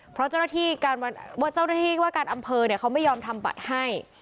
เพราะเจ้าหน้าที่ว่าการอำเภอเขาไม่ยอมทำบัตรให้